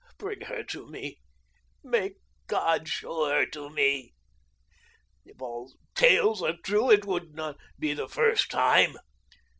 Bring her to me; make God show her to me. If all tales are true, it would not be the first time.